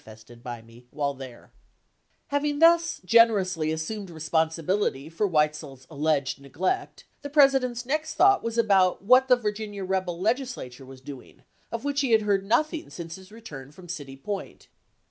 12' fested by me while there." LINCOLN IN BICHMOND 227 Having thus generously assumed responsibility chap, xl for Weitzel's alleged neglect, the President's next thought was about what the Virginia rebel Legis lature was doing, of which he had heard nothing since his return from City Point.